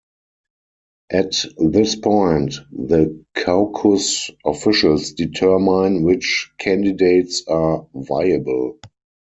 At this point, the caucus officials determine which candidates are viable.